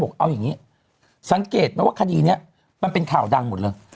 เอาอย่างนี้สังเกตไหมว่าคดีนี้มันเป็นข่าวดังหมดเลย